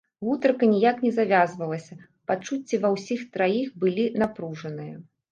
Гутарка ніяк не завязвалася, пачуцці ва ўсіх траіх былі напружаныя.